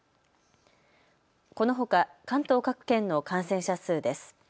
このほか関東各県の感染者数です。